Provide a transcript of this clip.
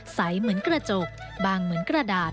ใสเหมือนกระจกบางเหมือนกระดาษ